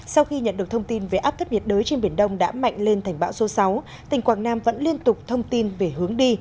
sau khi nhận được thông tin về áp thấp nhiệt đới trên biển đông đã mạnh lên thành bão số sáu tỉnh quảng nam vẫn liên tục thông tin về hướng đi